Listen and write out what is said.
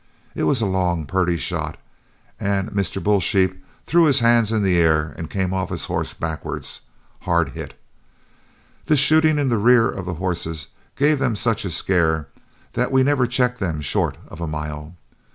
It was a long, purty shot, and Mr. Bull Sheep threw his hands in the air and came off his horse backward, hard hit. This shooting in the rear of the horses gave them such a scare that we never checked them short of a mile.